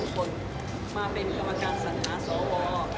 คนมาเป็นกรรมการสัญหาสว